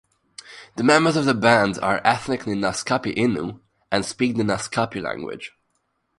The members of the band are ethnically Naskapi Innu and speak the Naskapi language.